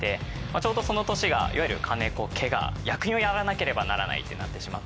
ちょうどその年が金子家が役員をやらなければならないってなってしまって。